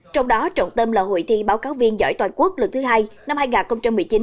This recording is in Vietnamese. trong đó trọng tâm là hội thi báo cáo viên giỏi toàn quốc lần thứ hai năm hai nghìn một mươi chín